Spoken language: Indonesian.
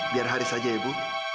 biar haris saja ya bu